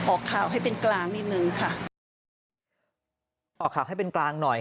ออกข่าวให้เป็นกลางหน่อย